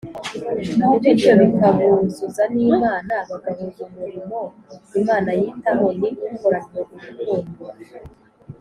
bityo bikabuzuza n’imana bagahuza umurimo imana yitaho ni ukoranywe urukundo